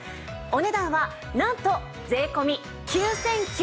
お値段はなんと税込９９８０円。